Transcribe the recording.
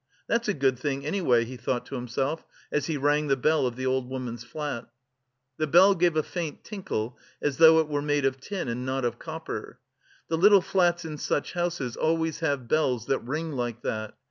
"That's a good thing anyway," he thought to himself, as he rang the bell of the old woman's flat. The bell gave a faint tinkle as though it were made of tin and not of copper. The little flats in such houses always have bells that ring like that.